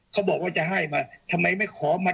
เขาบอกว่าจะให้มาทำไมไม่ขอมา